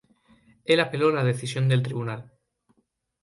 Él apeló la decisión del tribunal.